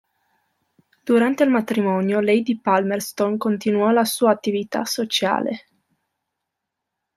Durante il matrimonio, Lady Palmerston continuò la sua attività sociale.